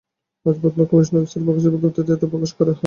আজ বুধবার কমিশনের ওয়েবসাইটে প্রকাশিত বিজ্ঞপ্তিতে এ তথ্য প্রকাশ করা হয়।